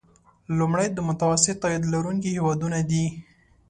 لومړی د متوسط عاید لرونکي هیوادونه دي.